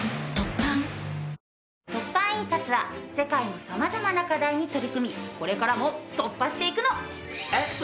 凸版印刷は世界の様々な課題に取り組みこれからも突破していくの！